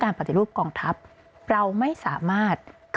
สิ่งที่ประชาชนอยากจะฟัง